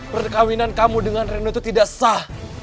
perkawinan kamu dengan reno itu tidak sah